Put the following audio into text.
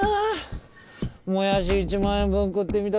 「もやし１万円分食ってみた」